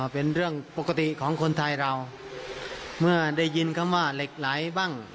เป็นเรื่องปกติของคนไทยเราเมื่อได้ยินคำว่าเหล็กไหลบ้าง